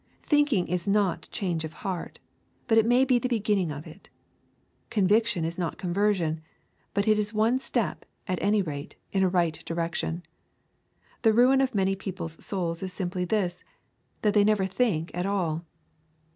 Thinking is not change of heart, but it_may be the be ginning of it. Conviction is not conversion, but it is one step, at any rate, in a right direction. The ruin of many people's souls is simply this, that they never think at all.